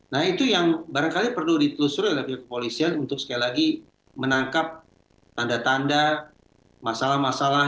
nah itu yang barangkali perlu ditelusuri oleh pihak kepolisian untuk sekali lagi menangkap tanda tanda masalah masalah